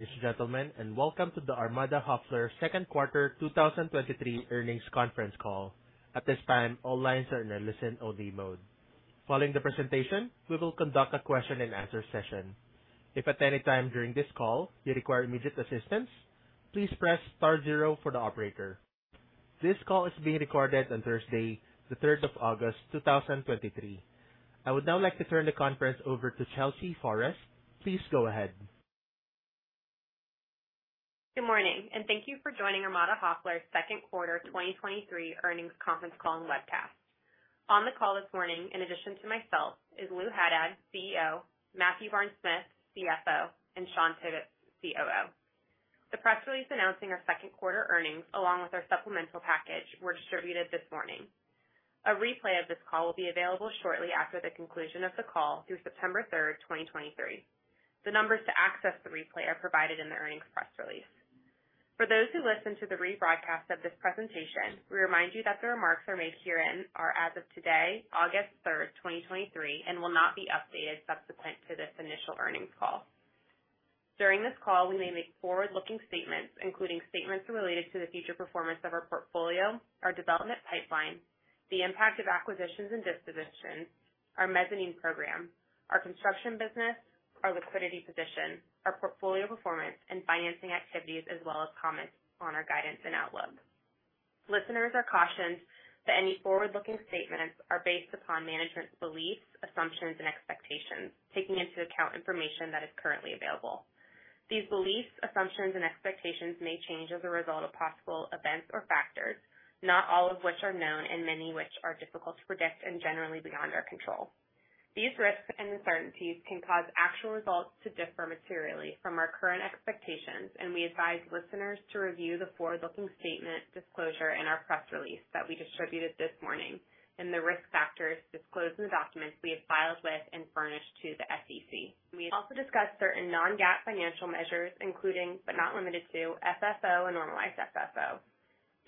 Ladies and gentlemen, welcome to the Armada Hoffler second quarter 2023 earnings conference call. At this time, all lines are in a listen-only mode. Following the presentation, we will conduct a question-and-answer session. If at any time during this call you require immediate assistance, please press star zero for the operator. This call is being recorded on Thursday, the third of August, 2023. I would now like to turn the conference over to Chelsea Forrest. Please go ahead. Good morning, and thank you for joining Armada Hoffler's second quarter 2023 earnings conference call and webcast. On the call this morning, in addition to myself, is Lou Haddad, CEO, Matthew Barnes-Smith, CFO, and Shawn Tibbetts, COO. The press release announcing our second quarter earnings, along with our supplemental package, were distributed this morning. A replay of this call will be available shortly after the conclusion of the call through September third, 2023. The numbers to access the replay are provided in the earnings press release. For those who listen to the rebroadcast of this presentation, we remind you that the remarks are made herein are as of today, August 3, 2023, and will not be updated subsequent to this initial earnings call. During this call, we may make forward-looking statements, including statements related to the future performance of our portfolio, our development pipeline, the impact of acquisitions and dispositions, our mezzanine program, our construction business, our liquidity position, our portfolio performance, and financing activities, as well as comments on our guidance and outlook. Listeners are cautioned that any forward-looking statements are based upon management's beliefs, assumptions, and expectations, taking into account information that is currently available. These beliefs, assumptions and expectations may change as a result of possible events or factors, not all of which are known and many which are difficult to predict and generally beyond our control. These risks and uncertainties can cause actual results to differ materially from our current expectations, and we advise listeners to review the forward-looking statement disclosure in our press release that we distributed this morning, and the risk factors disclosed in the documents we have filed with and furnished to the SEC. We also discussed certain non-GAAP financial measures, including, but not limited to, FFO and Normalized FFO.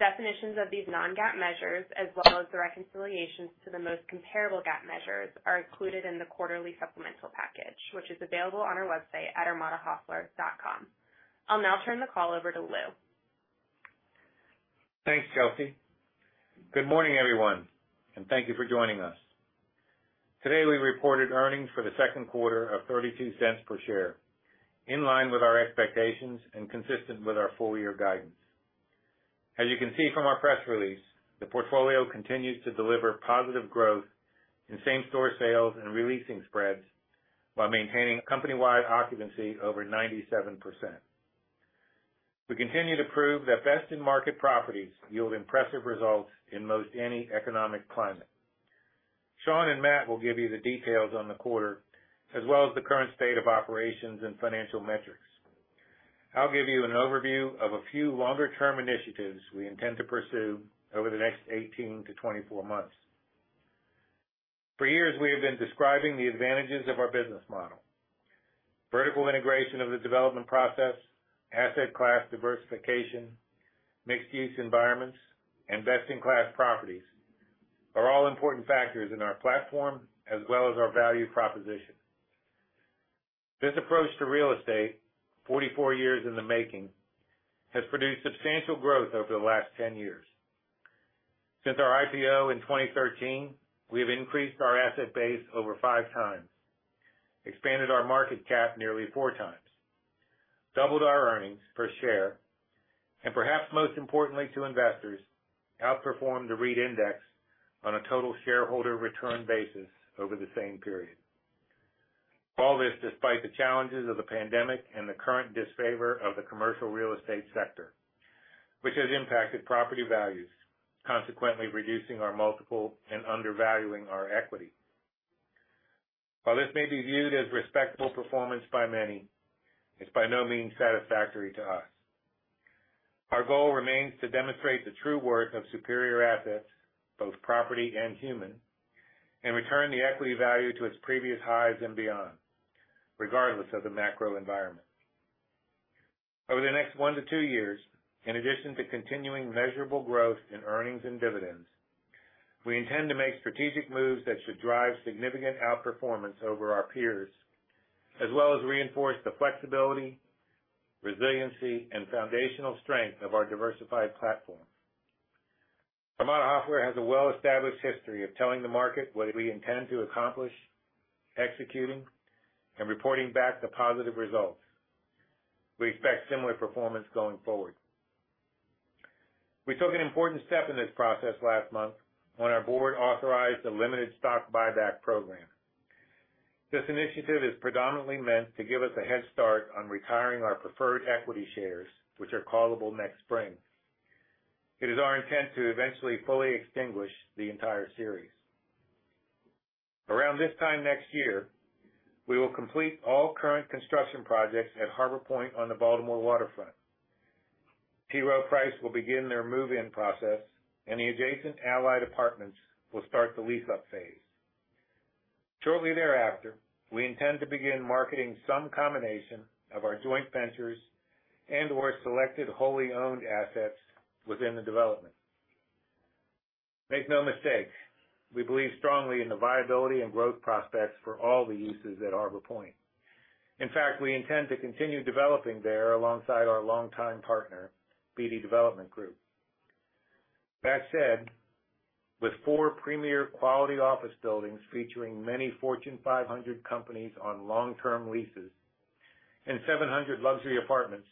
Definitions of these non-GAAP measures, as well as the reconciliations to the most comparable GAAP measures, are included in the quarterly supplemental package, which is available on our website at armadahoffler.com. I'll now turn the call over to Lou. Thanks, Chelsea. Good morning, everyone, thank you for joining us. Today, we reported earnings for the second quarter of $0.32 per share, in line with our expectations and consistent with our full year guidance. As you can see from our press release, the portfolio continues to deliver positive growth in same-store sales and releasing spreads, while maintaining company-wide occupancy over 97%. We continue to prove that best-in-market properties yield impressive results in most any economic climate. Shawn and Matt will give you the details on the quarter, as well as the current state of operations and financial metrics. I'll give you an overview of a few longer term initiatives we intend to pursue over the next 18-24 months. For years, we have been describing the advantages of our business model. Vertical integration of the development process, asset class diversification, mixed-use environments, and best-in-class properties are all important factors in our platform as well as our value proposition. This approach to real estate, 44 years in the making, has produced substantial growth over the last 10 years. Since our IPO in 2013, we have increased our asset base over 5x, expanded our market cap nearly 4x, doubled our earnings per share, and perhaps most importantly to investors, outperformed the REIT index on a total shareholder return basis over the same period. All this despite the challenges of the pandemic and the current disfavor of the commercial real estate sector, which has impacted property values, consequently reducing our multiple and undervaluing our equity. While this may be viewed as respectable performance by many, it's by no means satisfactory to us. Our goal remains to demonstrate the true worth of superior assets, both property and human, and return the equity value to its previous highs and beyond, regardless of the macro environment. Over the next one to two years, in addition to continuing measurable growth in earnings and dividends, we intend to make strategic moves that should drive significant outperformance over our peers, as well as reinforce the flexibility, resiliency, and foundational strength of our diversified platform. Armada Hoffler has a well-established history of telling the market what we intend to accomplish, executing, and reporting back the positive results. We expect similar performance going forward. We took an important step in this process last month when our board authorized a limited stock buyback program. This initiative is predominantly meant to give us a head start on retiring our preferred equity shares, which are callable next spring. It is our intent to eventually fully extinguish the entire series. Around this time next year, we will complete all current construction projects at Harbor Point on the Baltimore waterfront. T. Rowe Price will begin their move-in process, and the adjacent Allied apartments will start the lease-up phase. Shortly thereafter, we intend to begin marketing some combination of our joint ventures and/or selected wholly owned assets within the development. Make no mistake, we believe strongly in the viability and growth prospects for all the leases at Harbor Point. In fact, we intend to continue developing there alongside our longtime partner, Beatty Development Group. That said, with 4 premier quality office buildings featuring many Fortune 500 companies on long-term leases and 700 luxury apartments,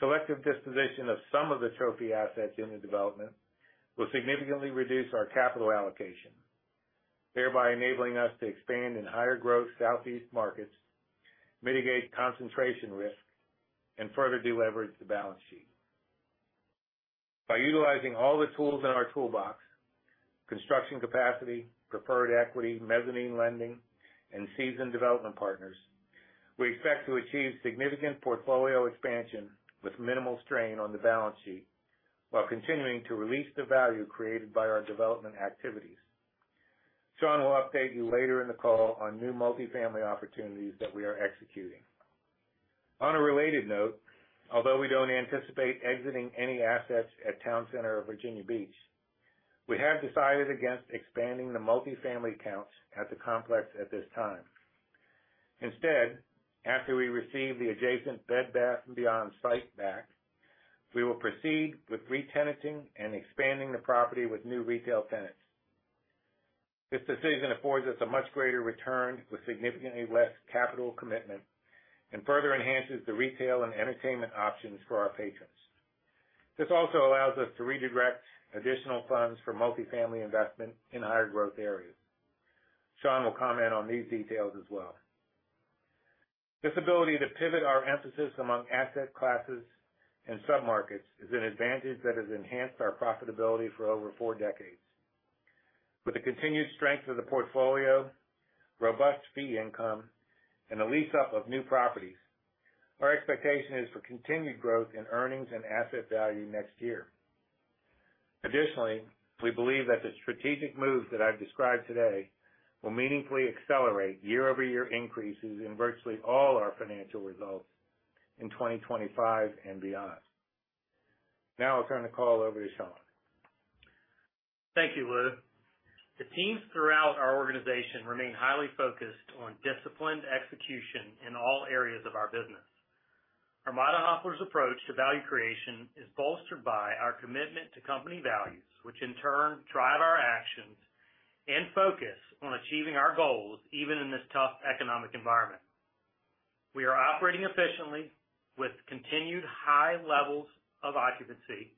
selective disposition of some of the trophy assets in the development will significantly reduce our capital allocation, thereby enabling us to expand in higher growth Southeast markets, mitigate concentration risk, and further deleverage the balance sheet. By utilizing all the tools in our toolbox, construction capacity, preferred equity, mezzanine lending, and seasoned development partners, we expect to achieve significant portfolio expansion with minimal strain on the balance sheet, while continuing to release the value created by our development activities. Shawn will update you later in the call on new multifamily opportunities that we are executing. On a related note, although we don't anticipate exiting any assets at Town Center of Virginia Beach, we have decided against expanding the multifamily counts at the complex at this time. Instead, after we receive the adjacent Bed Bath & Beyond site back, we will proceed with re-tenanting and expanding the property with new retail tenants. This decision affords us a much greater return with significantly less capital commitment, and further enhances the retail and entertainment options for our patrons. This also allows us to redirect additional funds for multifamily investment in higher growth areas. Shawn will comment on these details as well. This ability to pivot our emphasis among asset classes and submarkets is an advantage that has enhanced our profitability for over 4 decades. With the continued strength of the portfolio, robust fee income, and a lease-up of new properties, our expectation is for continued growth in earnings and asset value next year. Additionally, we believe that the strategic moves that I've described today will meaningfully accelerate year-over-year increases in virtually all our financial results in 2025 and beyond. Now I'll turn the call over to Shawn. Thank you, Lou. The teams throughout our organization remain highly focused on disciplined execution in all areas of our business. Armada Hoffler's approach to value creation is bolstered by our commitment to company values, which in turn drive our actions and focus on achieving our goals, even in this tough economic environment. We are operating efficiently with continued high levels of occupancy,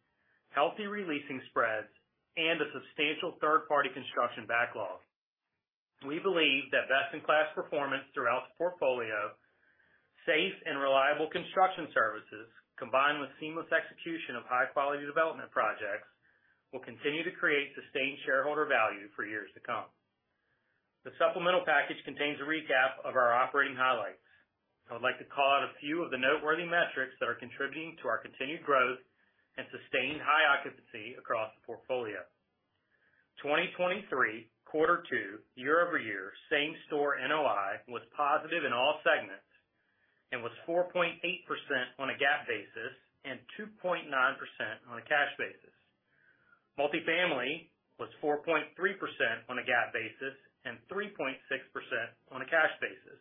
healthy re-leasing spreads, and a substantial third-party construction backlog. We believe that best-in-class performance throughout the portfolio, safe and reliable construction services, combined with seamless execution of high-quality development projects, will continue to create sustained shareholder value for years to come. The supplemental package contains a recap of our operating highlights. I would like to call out a few of the noteworthy metrics that are contributing to our continued growth and sustained high occupancy across the portfolio. 2023, quarter 2, year-over-year, same-store NOI was positive in all segments, and was 4.8% on a GAAP basis and 2.9% on a cash basis. Multifamily was 4.3% on a GAAP basis and 3.6% on a cash basis.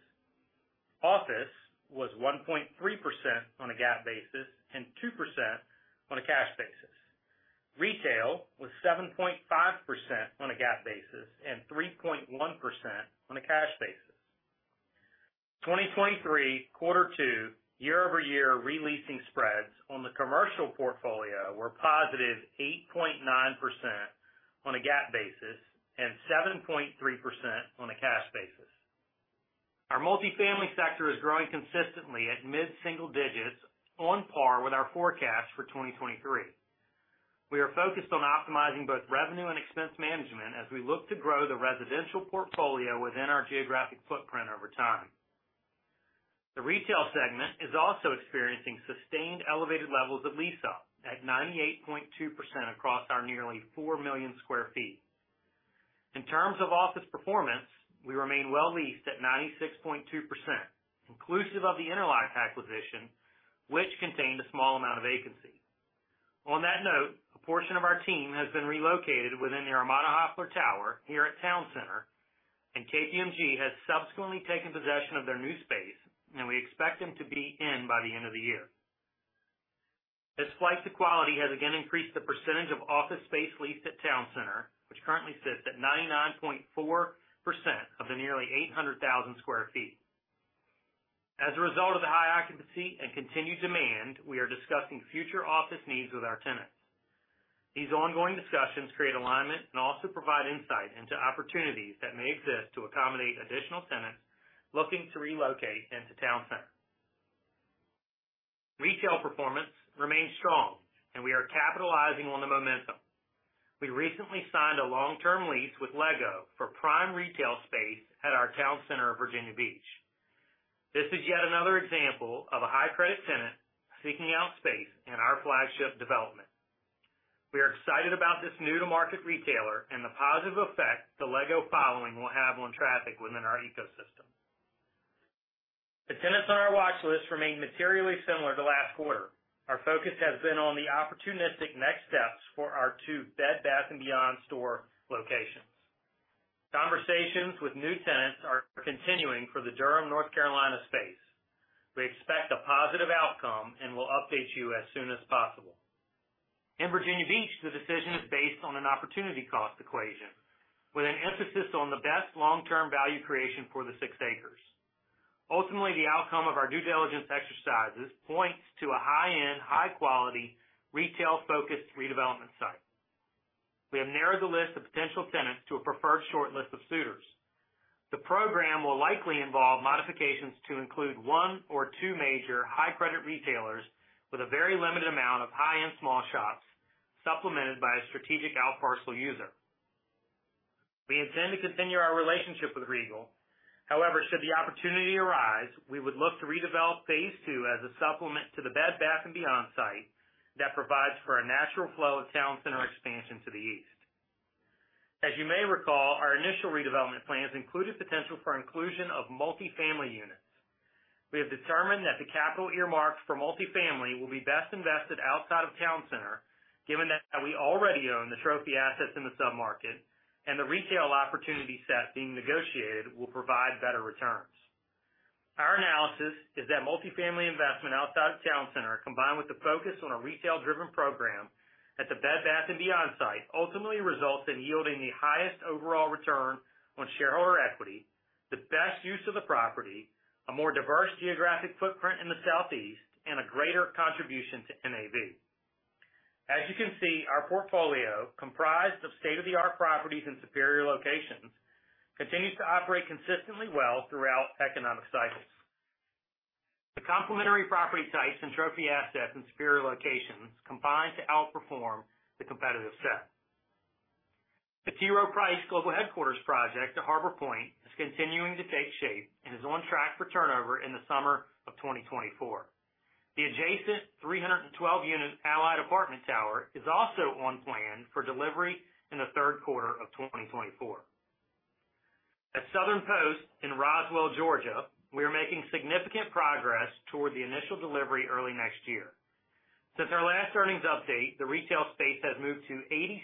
Office was 1.3% on a GAAP basis and 2% on a cash basis. Retail was 7.5% on a GAAP basis and 3.1% on a cash basis. 2023, quarter 2, year-over-year re-leasing spreads on the commercial portfolio were positive 8.9% on a GAAP basis and 7.3% on a cash basis. Our multifamily sector is growing consistently at mid-single digits, on par with our forecast for 2023. We are focused on optimizing both revenue and expense management as we look to grow the residential portfolio within our geographic footprint over time. The retail segment is also experiencing sustained elevated levels of lease-up at 98.2% across our nearly 4 million sq ft. In terms of office performance, we remain well leased at 96.2%, inclusive of The Interlock acquisition, which contained a small amount of vacancy. On that note, a portion of our team has been relocated within the Armada Hoffler Tower here at Town Center. KPMG has subsequently taken possession of their new space, and we expect them to be in by the end of the year. This flight to quality has again increased the percentage of office space leased at Town Center, which currently sits at 99.4% of the nearly 800,000 sq ft. As a result of the high occupancy and continued demand, we are discussing future office needs with our tenants. These ongoing discussions create alignment and also provide insight into opportunities that may exist to accommodate additional tenants looking to relocate into Town Center. Retail performance remains strong, and we are capitalizing on the momentum. We recently signed a long-term lease with LEGO for prime retail space at our Town Center of Virginia Beach. This is yet another example of a high credit tenant seeking out space in our flagship development. We are excited about this new-to-market retailer and the positive effect the LEGO following will have on traffic within our ecosystem. The tenants on our watch list remain materially similar to last quarter. Our focus has been on the opportunistic next steps for our two Bed Bath & Beyond store locations. Conversations with new tenants are continuing for the Durham, North Carolina, space. We expect a positive outcome, and we'll update you as soon as possible. In Virginia Beach, the decision is based on an opportunity cost equation, with an emphasis on the best long-term value creation for the 6 acres. Ultimately, the outcome of our due diligence exercises points to a high-end, high-quality, retail-focused redevelopment site. We have narrowed the list of potential tenants to a preferred short list of suitors. The program will likely involve modifications to include 1 or 2 major high-credit retailers with a very limited amount of high-end small shops, supplemented by a strategic outparcel user. We intend to continue our relationship with Regal. Should the opportunity arise, we would look to redevelop phase two as a supplement to the Bed Bath & Beyond site that provides for a natural flow of Town Center expansion to the east. As you may recall, our initial redevelopment plans included potential for inclusion of multifamily units. We have determined that the capital earmarked for multifamily will be best invested outside of Town Center, given that we already own the trophy assets in the submarket, and the retail opportunity set being negotiated will provide better returns. Our analysis is that multifamily investment outside of Town Center, combined with the focus on a retail-driven program at the Bed Bath & Beyond site, ultimately results in yielding the highest overall return on shareholder equity, the best use of the property, a more diverse geographic footprint in the Southeast, and a greater contribution to NAV. As you can see, our portfolio, comprised of state-of-the-art properties and superior locations, continues to operate consistently well throughout economic cycles. The complementary property sites and trophy assets in superior locations combine to outperform the competitive set. The T. Rowe Price global headquarters project at Harbor Point is continuing to take shape and is on track for turnover in the summer of 2024. The adjacent 312 unit Allied apartment tower is also on plan for delivery in the third quarter of 2024. At Southern Post in Roswell, Georgia, we are making significant progress toward the initial delivery early next year. Since our last earnings update, the retail space has moved to 86%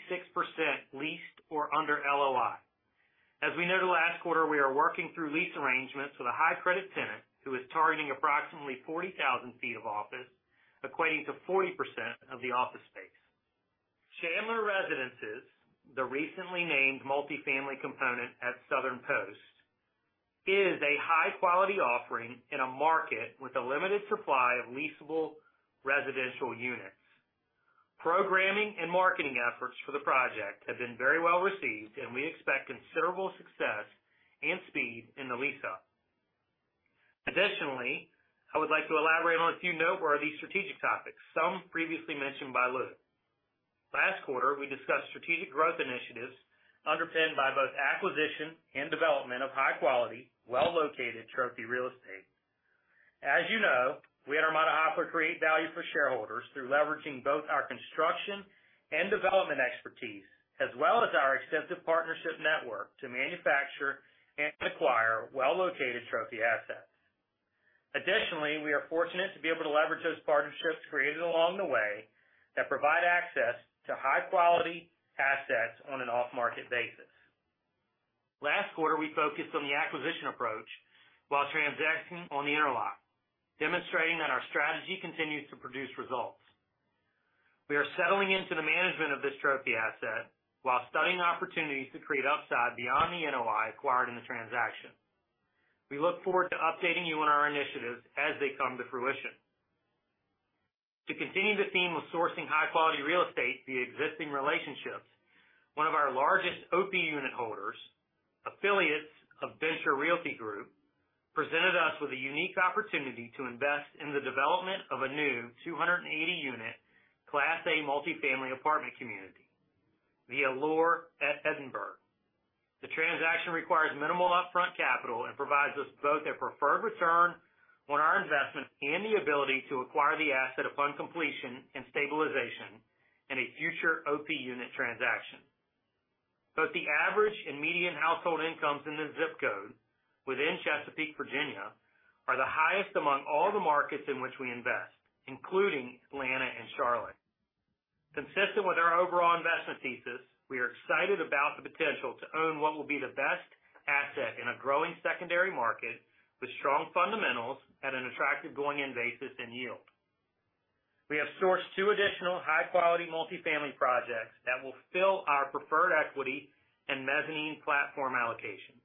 leased or under LOI. As we noted last quarter, we are working through lease arrangements with a high-credit tenant who is targeting approximately 40,000 feet of office, equating to 40% of the office space. Chandler Residences, the recently named multifamily component at Southern Post, is a high-quality offering in a market with a limited supply of leasable residential units. Programming and marketing efforts for the project have been very well received, and we expect considerable success and speed in the lease-up. Additionally, I would like to elaborate on a few noteworthy strategic topics, some previously mentioned by Lou. Last quarter, we discussed strategic growth initiatives underpinned by both acquisition and development of high-quality, well-located trophy real estate. As you know, we at Armada Hoffler create value for shareholders through leveraging both our construction and development expertise, as well as our extensive partnership network, to manufacture and acquire well-located trophy assets. Additionally, we are fortunate to be able to leverage those partnerships created along the way that provide access to high-quality assets on an off-market basis. Last quarter, we focused on the acquisition approach while transacting on The Interlock, demonstrating that our strategy continues to produce results. We are settling into the management of this trophy asset while studying opportunities to create upside beyond the NOI acquired in the transaction. We look forward to updating you on our initiatives as they come to fruition. To continue the theme of sourcing high-quality real estate via existing relationships, one of our largest OP unit holders, affiliates of Venture Realty Group, presented us with a unique opportunity to invest in the development of a new 280 unit, Class A multifamily apartment community, The Allure at Edinburgh. The transaction requires minimal upfront capital and provides us both a preferred return on our investment and the ability to acquire the asset upon completion and stabilization in a future OP unit transaction. Both the average and median household incomes in the zip code within Chesapeake, Virginia, are the highest among all the markets in which we invest, including Atlanta and Charlotte. Consistent with our overall investment thesis, we are excited about the potential to own what will be the best asset in a growing secondary market, with strong fundamentals and an attractive going-in basis and yield. We have sourced 2 additional high-quality multifamily projects that will fill our preferred equity and mezzanine platform allocation.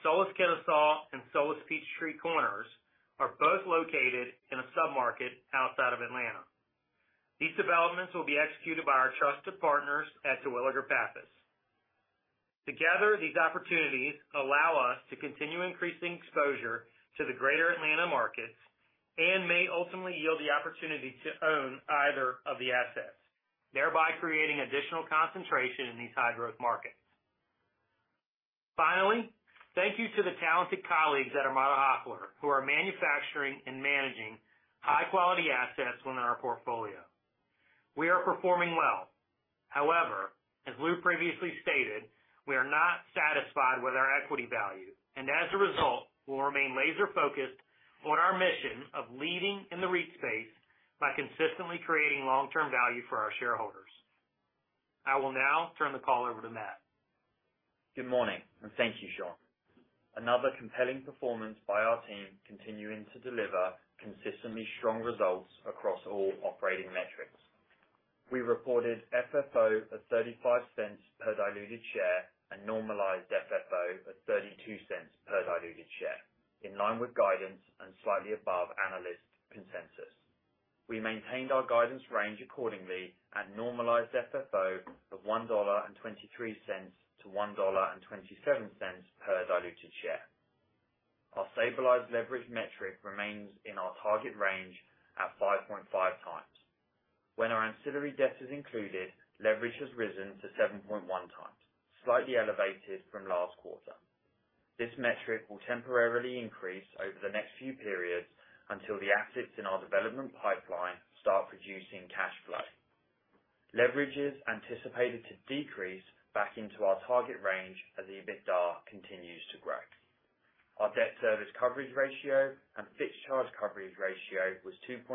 Solace Kennesaw and Solace Peachtree Corners are both located in a submarket outside of Atlanta. These developments will be executed by our trusted partners at DuPree Pappas. Together, these opportunities allow us to continue increasing exposure to the greater Atlanta markets and may ultimately yield the opportunity to own either of the assets, thereby creating additional concentration in these high-growth markets. Finally, thank you to the talented colleagues at Armada Hoffler, who are manufacturing and managing high-quality assets within our portfolio. We are performing well. However, as Lou previously stated, we are not satisfied with our equity value, and as a result, will remain laser focused on our mission of leading in the REIT space by consistently creating long-term value for our shareholders. I will now turn the call over to Matt. Good morning, thank you, Shawn. Another compelling performance by our team, continuing to deliver consistently strong results across all operating metrics. We reported FFO of $0.35 per diluted share and Normalized FFO of $0.32 per diluted share, in line with guidance and slightly above analyst consensus. We maintained our guidance range accordingly at Normalized FFO of $1.23-$1.27 per diluted share. Our stabilized leverage metric remains in our target range at 5.5 times. When our ancillary debt is included, leverage has risen to 7.1 times, slightly elevated from last quarter. This metric will temporarily increase over the next few periods until the assets in our development pipeline start producing cash flow. Leverage is anticipated to decrease back into our target range as the EBITDA continues to grow. Our debt service coverage ratio and fixed charge coverage ratio was 2.7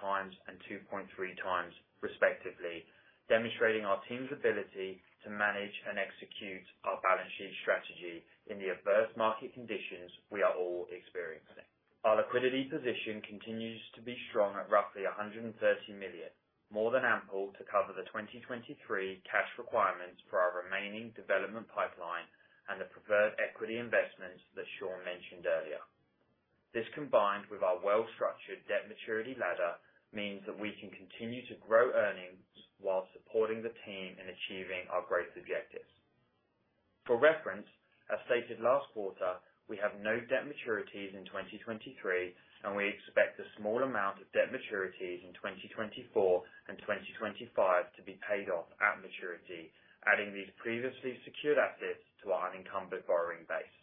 times and 2.3 times, respectively, demonstrating our team's ability to manage and execute our balance sheet strategy in the adverse market conditions we are all experiencing. Our liquidity position continues to be strong at roughly $130 million, more than ample to cover the 2023 cash requirements for our remaining development pipeline and the preferred equity investments that Shawn mentioned earlier. This, combined with our well-structured debt maturity ladder, means that we can continue to grow earnings while supporting the team in achieving our growth objectives. For reference, as stated last quarter, we have no debt maturities in 2023. We expect a small amount of debt maturities in 2024 and 2025 to be paid off at maturity, adding these previously secured assets to our unencumbered borrowing base.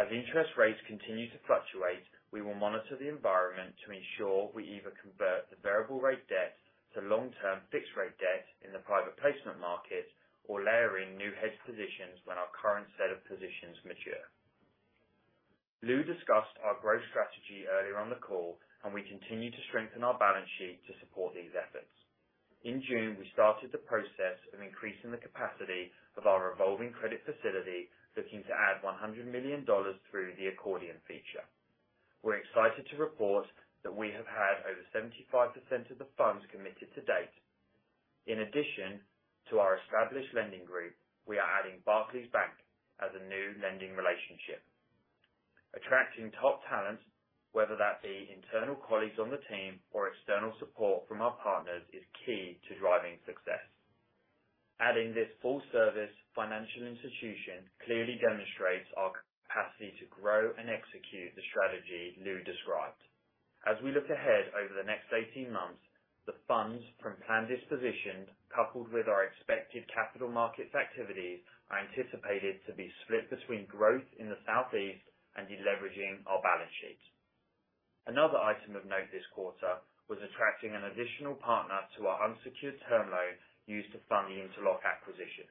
As interest rates continue to fluctuate, we will monitor the environment to ensure we either convert the variable rate debt to long-term fixed rate debt in the private placement market or layering new hedge positions when our current set of positions mature. Lou discussed our growth strategy earlier on the call, and we continue to strengthen our balance sheet to support these efforts. In June, we started the process of increasing the capacity of our revolving credit facility, looking to add $100 million through the accordion feature. We're excited to report that we have had over 75% of the funds committed to date. In addition to our established lending group, we are adding Barclays Bank as a new lending relationship. Attracting top talent, whether that be internal colleagues on the team or external support from our partners, is key to driving success. Adding this full service financial institution clearly demonstrates our capacity to grow and execute the strategy Lou described. We look ahead over the next 18 months, the funds from planned disposition, coupled with our expected capital markets activities, are anticipated to be split between growth in the Southeast and deleveraging our balance sheet. Another item of note this quarter was attracting an additional partner to our unsecured term loan used to fund the Interlock acquisition.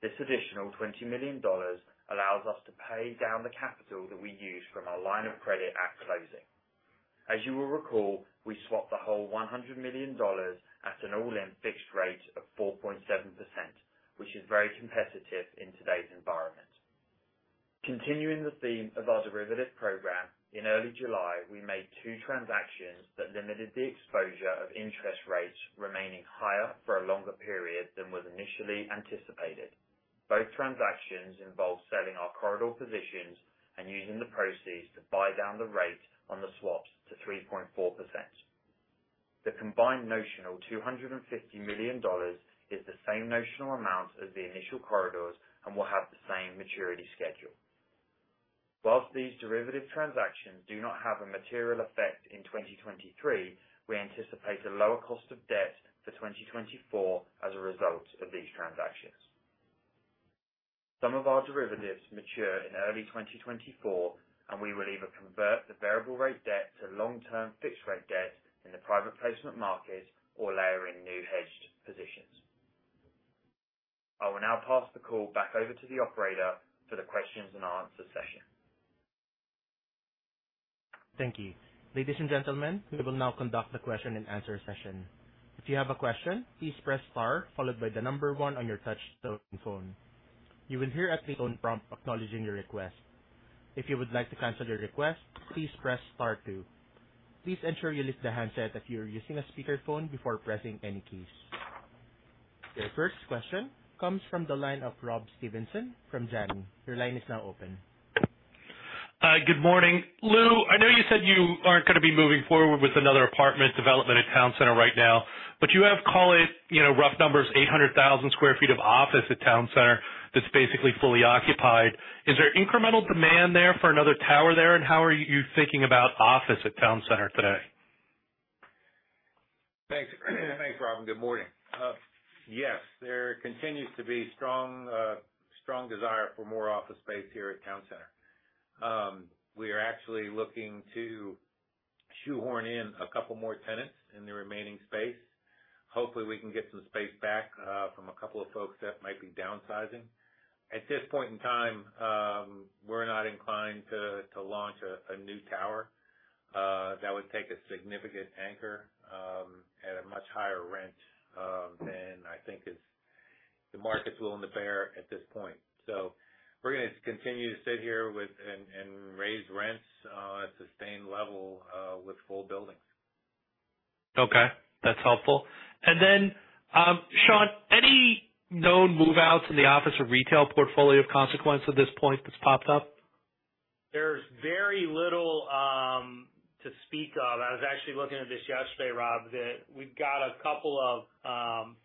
This additional $20 million allows us to pay down the capital that we used from our line of credit at closing. You will recall, we swapped the whole $100 million at an all-in fixed rate of 4.7%, which is very competitive in today's environment. Continuing the theme of our derivative program, in early July, we made two transactions that limited the exposure of interest rates remaining higher for a longer period than was initially anticipated. Both transactions involved selling our corridor positions and using the proceeds to buy down the rate on the swaps to 3.4%. The combined notional, $250 million, is the same notional amount as the initial corridors and will have the same maturity schedule. Whilst these derivative transactions do not have a material effect in 2023, we anticipate a lower cost of debt for 2024 as a result of these transactions. Some of our derivatives mature in early 2024, and we will either convert the variable rate debt to long-term fixed rate debt in the private placement market or layer in new hedged positions. I will now pass the call back over to the operator for the questions and answer session. Thank you. Ladies and gentlemen, we will now conduct the question-and-answer session. If you have a question, please press star followed by the number one on your touchtone phone. You will hear a pre-recorded prompt acknowledging your request. If you would like to cancel your request, please press star two. Please ensure you lift the handset if you are using a speakerphone before pressing any keys. Your first question comes from the line of Rob Stevenson from Janney. Your line is now open. Good morning. Lou, I know you said you aren't gonna be moving forward with another apartment development at Town Center right now, but you have, call it, you know, rough numbers, 800,000 sq ft of office at Town Center that's basically fully occupied. Is there incremental demand there for another tower there? How are you thinking about office at Town Center today? Thanks. Thanks, Rob. Good morning. Yes, there continues to be strong, strong desire for more office space here at Town Center. We are actually looking to shoehorn in a couple more tenants in the remaining space. Hopefully, we can get some space back, from a couple of folks that might be downsizing. At this point in time, we're not inclined to, to launch a, a new tower. That would take a significant anchor, at a much higher rent, than I think is the market's willing to bear at this point. We're gonna continue to sit here with and, and raise rents, at sustained level, with full buildings. Okay, that's helpful. Shawn, any known move-outs in the office or retail portfolio of consequence at this point that's popped up? There's very little to speak of. I was actually looking at this yesterday, Rob, that we've got a couple of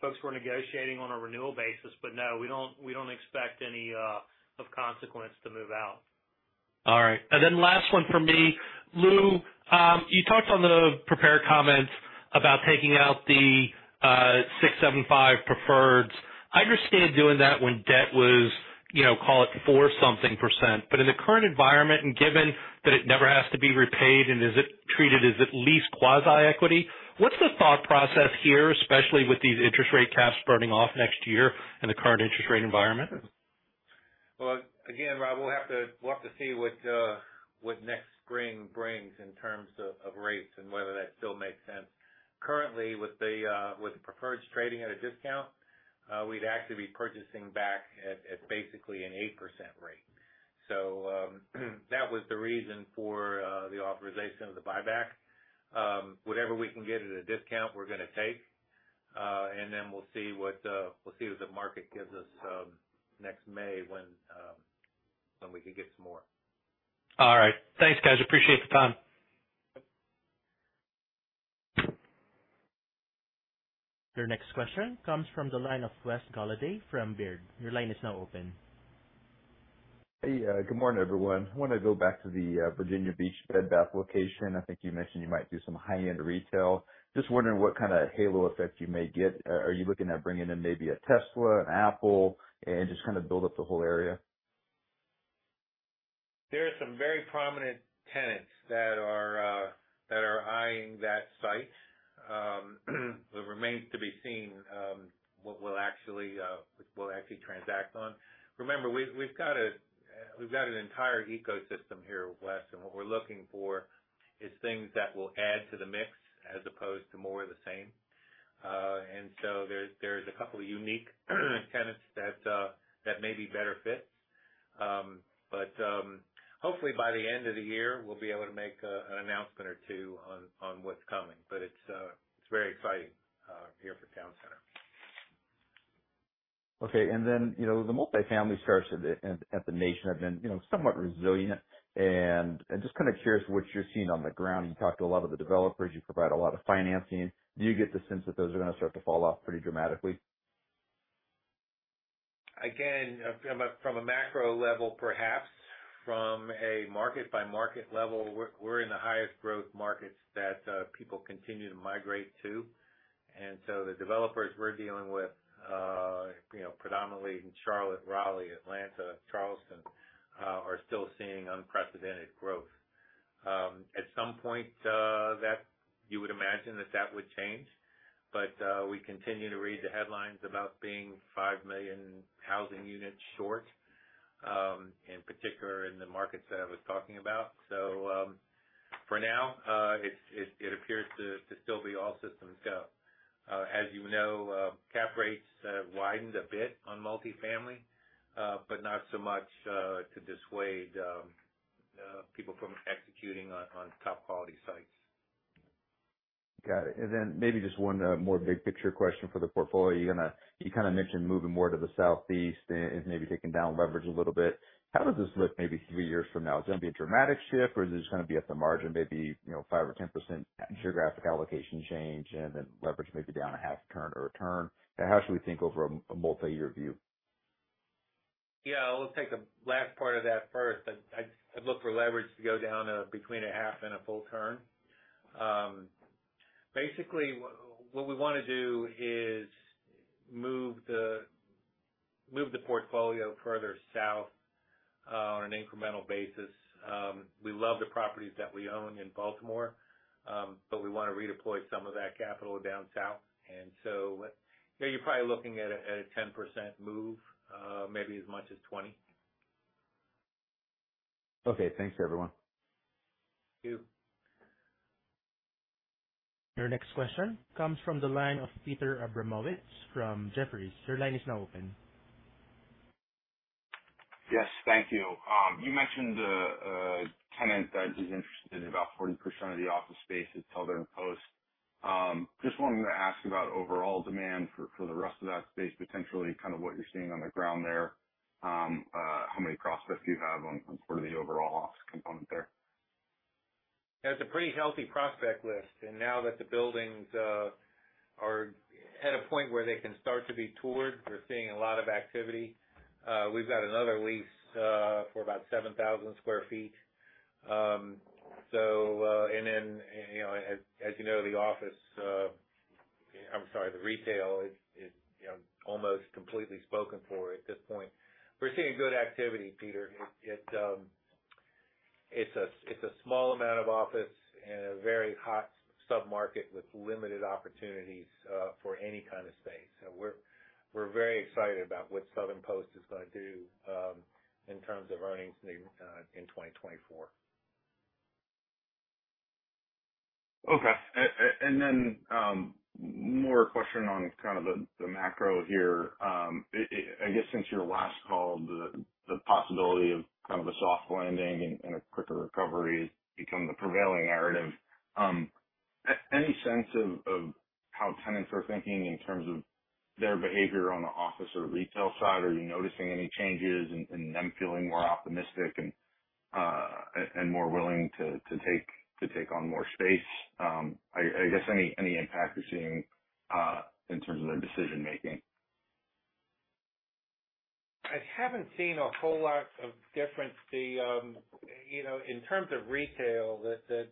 folks we're negotiating on a renewal basis. No, we don't, we don't expect any of consequence to move out. All right. Last one from me. Lou, you talked on the prepared comments about taking out the 6.75% preferreds. I understand doing that when debt was, you know, call it 4 something %, but in the current environment, and given that it never has to be repaid, and is it treated as at least quasi-equity, what's the thought process here, especially with these interest rate caps burning off next year in the current interest rate environment? Well, again, Rob, we'll have to, we'll have to see what next spring brings in terms of rates and whether that still makes sense. Currently, with the preferreds trading at a discount, we'd actually be purchasing back at basically an 8% rate. That was the reason for the authorization of the buyback. Whatever we can get at a discount, we're gonna take, and then we'll see what we'll see what the market gives us next May, when we can get some more. All right. Thanks, guys. Appreciate the time. Your next question comes from the line of Wes Golladay from Baird. Your line is now open. Hey, good morning, everyone. I wanna go back to the Virginia Beach Bed Bath location. I think you mentioned you might do some high-end retail. Just wondering what kind of halo effect you may get. Are you looking at bringing in maybe a Tesla, an Apple, and just kind of build up the whole area? There are some very prominent tenants that are that are eyeing that site. It remains to be seen what we'll actually what we'll actually transact on. Remember, we've, we've got a we've got an entire ecosystem here, Wes, and what we're looking for is things that will add to the mix as opposed to more of the same. So there's, there's a couple unique tenants that that may be better fits. Hopefully by the end of the year, we'll be able to make a an announcement or two on on what's coming. It's it's very exciting here for Town Center. Okay. You know, the multifamily starts at the, at, at the nation have been, you know, somewhat resilient. Just kind of curious what you're seeing on the ground. You talk to a lot of the developers, you provide a lot of financing. Do you get the sense that those are gonna start to fall off pretty dramatically? Again, from a macro level, perhaps. From a market-by-market level, we're, we're in the highest growth markets that people continue to migrate to. The developers we're dealing with, you know, predominantly in Charlotte, Raleigh, Atlanta, Charleston, are still seeing unprecedented growth. At some point, that you would imagine that that would change, but we continue to read the headlines about being 5 million housing units short, in particular in the markets that I was talking about. For now, it, it, it appears to, to still be all systems go. As you know, cap rates widened a bit on multifamily, but not so much to dissuade people from executing on top-quality sites. Got it. Maybe just one more big-picture question for the portfolio. You kind of mentioned moving more to the Southeast and, and maybe taking down leverage a little bit. How does this look maybe three years from now? Is it gonna be a dramatic shift, or is it just gonna be at the margin, maybe, you know, 5% or 10% geographic allocation change, and then leverage maybe down a half turn or a turn? How should we think over a, a multiyear view? Yeah, I'll take the last part of that first. I, I'd, I'd look for leverage to go down between a 0.5 and a 1 turn. Basically, what we wanna do is move the, move the portfolio further south on an incremental basis. We love the properties that we own in Baltimore, but we want to redeploy some of that capital down south. So, yeah, you're probably looking at a, at a 10% move, maybe as much as 20. Okay. Thanks, everyone. Thank you. Your next question comes from the line of Peter Abramowitz from Jefferies. Your line is now open. Yes. Thank you. You mentioned a, a tenant that is interested in about 40% of the office space at Southern Post. Just wanted to ask about overall demand for, for the rest of that space, potentially kind of what you're seeing on the ground there. How many prospects do you have on, on sort of the overall office component there? There's a pretty healthy prospect list, and now that the buildings are at a point where they can start to be toured, we're seeing a lot of activity. We've got another lease for about 7,000 sq ft. You know, as, as you know, the office, I'm sorry, the retail is, is, you know, almost completely spoken for at this point. We're seeing good activity, Peter. It's a small amount of office and a very hot submarket with limited opportunities for any kind of space. We're, we're very excited about what Southern Post is gonna do in terms of earnings in 2024. Okay. Then, more question on kind of the, the macro here. I guess, since your last call, the, the possibility of kind of a soft landing and, and a quicker recovery become the prevailing narrative. Any sense of, of how tenants are thinking in terms of their behavior on the office or retail side? Are you noticing any changes and, and them feeling more optimistic and, and more willing to, to take, to take on more space? I, I guess, any, any impact you're seeing, in terms of their decision making? I haven't seen a whole lot of difference. You know, in terms of retail, the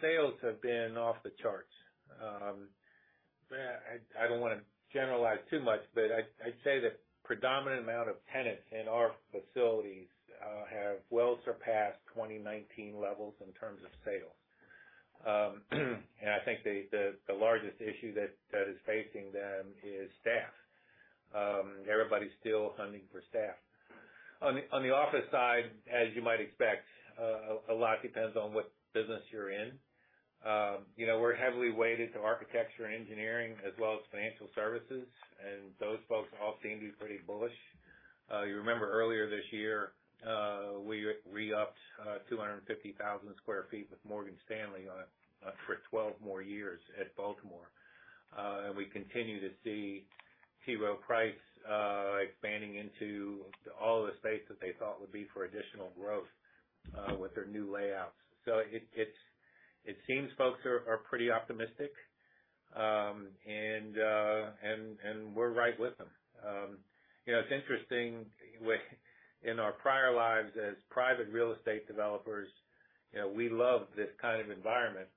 sales have been off the charts. I, I don't wanna generalize too much, but I, I'd say the predominant amount of tenants in our facilities have well surpassed 2019 levels in terms of sales. Everybody's still hunting for staff. On the, on the office side, as you might expect, a lot depends on what business you're in. You know, we're heavily weighted to architecture and engineering as well as financial services, and those folks all seem to be pretty bullish. You remember earlier this year, we re-upped 250,000 sq ft with Morgan Stanley on a for 12 more years at Baltimore. We continue to see T. Rowe Price expanding into all the space that they thought would be for additional growth with their new layouts. It, it's, it seems folks are, are pretty optimistic, and, and we're right with them. You know, it's interesting, with in our prior lives, as private real estate developers, you know, we love this kind of environment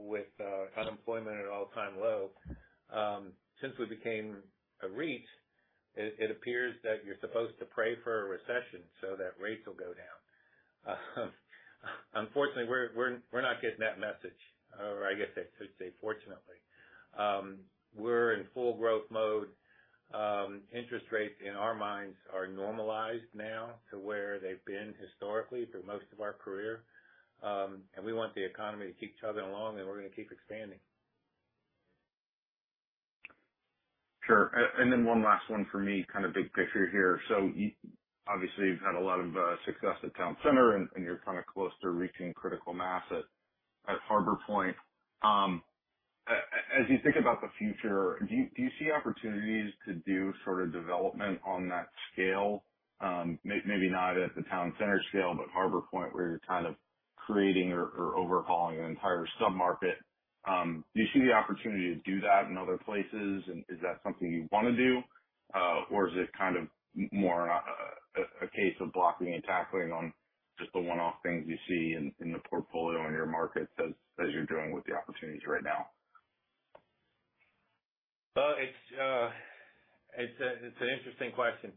with unemployment at an all-time low. Since we became a REIT, it, it appears that you're supposed to pray for a recession so that rates will go down. Unfortunately, we're, we're, we're not getting that message. I guess I should say, fortunately. We're in full growth mode. Interest rates, in our minds, are normalized now to where they've been historically for most of our career, and we want the economy to keep chugging along, and we're gonna keep expanding. Sure. Then one last one for me, kind of big picture here. Obviously, you've had a lot of success at Town Center, and you're kind of close to reaching critical mass at Harbor Point. As you think about the future, do you, do you see opportunities to do sort of development on that scale? maybe not at the Town Center scale, but Harbor Point, where you're kind of creating or overhauling an entire submarket. Do you see the opportunity to do that in other places, and is that something you wanna do? Is it kind of more a case of blocking and tackling on just the one-off things you see in the portfolio in your markets as you're doing with the opportunities right now? Well, it's an interesting question.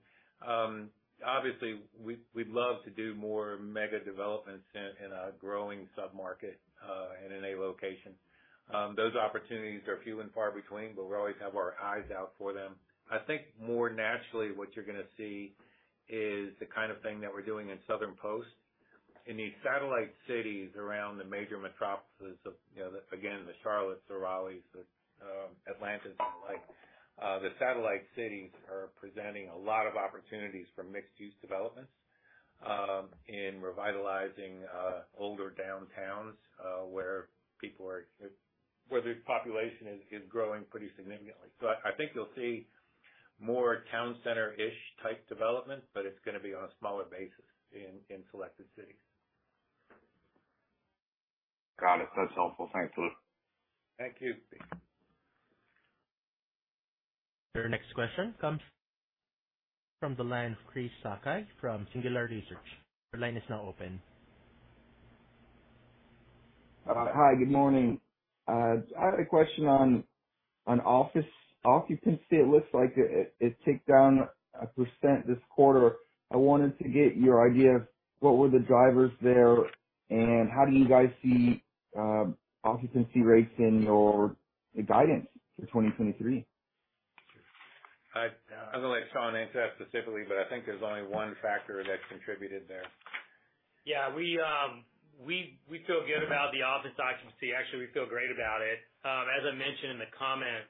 Obviously, we'd love to do more mega developments in a growing submarket and in a location. Those opportunities are few and far between, but we always have our eyes out for them. I think more naturally, what you're gonna see is the kind of thing that we're doing in Southern Post. In these satellite cities around the major metropolis of, you know, again, the Charlottes, the Raleighs, the Atlantas, and the like. The satellite cities are presenting a lot of opportunities for mixed-use developments in revitalizing older downtowns, where people are... Where the population is growing pretty significantly. I think you'll see more town center-ish type development, but it's gonna be on a smaller basis in selected cities. Got it. That's helpful. Thanks, Luke. Thank you. Your next question comes from the line of Chris Sakai from Singular Research. Your line is now open. Hi, good morning. I had a question on office occupancy. It looks like it ticked down 1% this quarter. I wanted to get your idea of what were the drivers there, and how do you guys see occupancy rates in your guidance for 2023? I, I'm gonna let Shawn answer that specifically, but I think there's only one factor that contributed there. Yeah, we, we feel good about the office occupancy. Actually, we feel great about it. As I mentioned in the comments,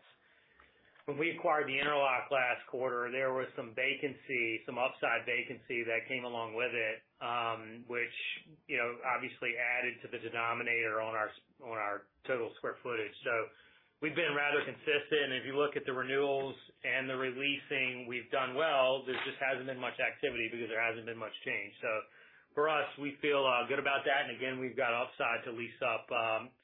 when we acquired The Interlock last quarter, there was some vacancy, some upside vacancy that came along with it, which, you know, obviously added to the denominator on our, on our total square footage. We've been rather consistent. If you look at the renewals and the re-leasing, we've done well. There just hasn't been much activity because there hasn't been much change. For us, we feel good about that. And again, we've got upside to lease up,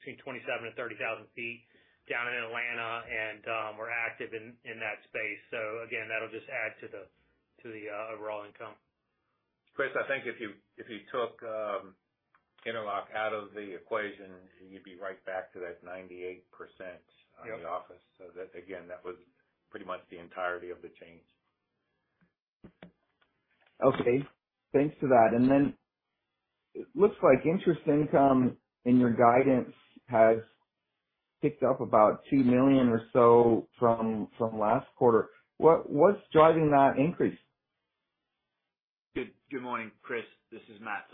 between 27,000-30,000 sq ft down in Atlanta, and we're active in, in that space. Again, that'll just add to the, to the overall income. Chris, I think if you, if you took Interlock out of the equation, you'd be right back to that 98%. Yep. on the office. That, again, that was pretty much the entirety of the change. Okay, thanks for that. It looks like interest income in your guidance has ticked up about $2 million or so from last quarter. What's driving that increase? Good, good morning, Chris. This is Matt.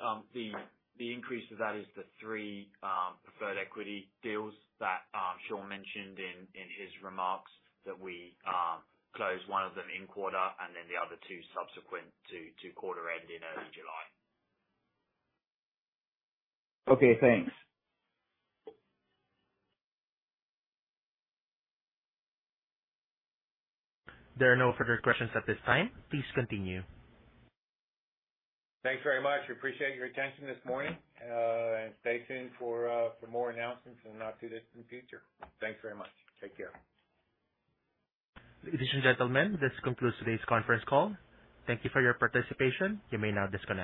The increase to that is the 3 preferred equity deals that Shawn mentioned in his remarks, that we closed 1 of them in quarter and then the other 2 subsequent to quarter end in July. Okay, thanks. There are no further questions at this time. Please continue. Thanks very much. We appreciate your attention this morning. Stay tuned for more announcements in the not-too-distant future. Thanks very much. Take care. Ladies and gentlemen, this concludes today's conference call. Thank you for your participation. You may now disconnect.